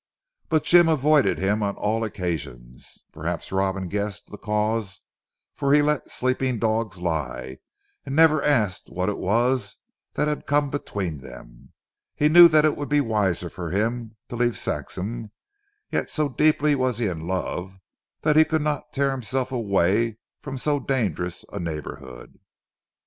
But Jim avoided him on all occasions. Perhaps Robin guessed the cause, for he let sleeping dogs lie, and never asked what it was that had come between them. He knew that it would be wiser for him to leave Saxham, yet so deeply was he in love that he could not tear himself away from so dangerous a neighbourhood.